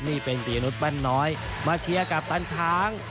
นี่เป็นปียนุษยแป้นน้อยมาเชียร์กัปตันช้าง